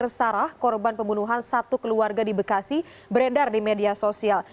bersarah korban pembunuhan satu keluarga di bekasi beredar di media sosial